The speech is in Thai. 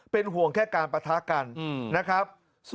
เป็นห่วงแค่การปะทะกันนะครับ